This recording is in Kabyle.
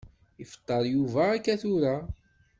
Ifeṭṭer Yuba akka tura.